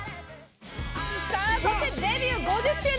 そして、デビュー５０周年！